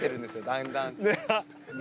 だんだん。